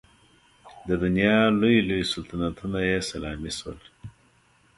د دنیا لوی لوی سلطنتونه یې سلامي شول.